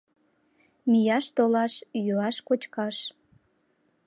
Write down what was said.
Мияш-толаш, йӱаш-кочкаш